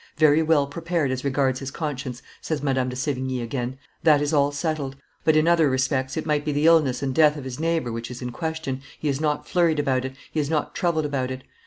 "Very well prepared as regards his conscience," says Madame de Sevigne again; "that is all settled; but, in other respects, it might be the illness and death of his neighbor which is in question, he is not flurried about it, he is not troubled about it.